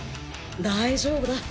大丈夫だ。